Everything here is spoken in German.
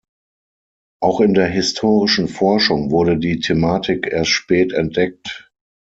Auch in der historischen Forschung wurde die Thematik erst spät entdeckt.